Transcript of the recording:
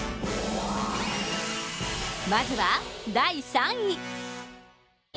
まずは第３位。